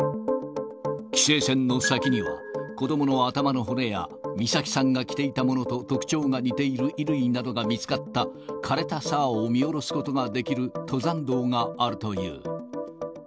規制線の先には、子どもの頭の骨や美咲さんが着ていたものと特徴が似ている衣類などが見つかったかれた沢を見下ろすことができる登山道があるという。